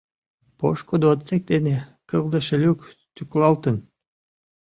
Пошкудо отсек дене кылдыше люк тӱкылалтын.